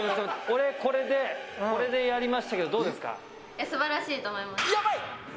俺、これやりましたけど、どうですか？